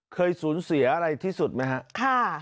เคยสูญเสียอะไรที่สุดไหมครับ